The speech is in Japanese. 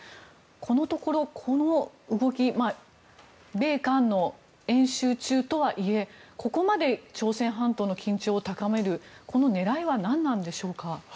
このところ、この動き米韓の演習中とはいえここまで朝鮮半島の緊張を高めるこの狙いは何なんでしょうか。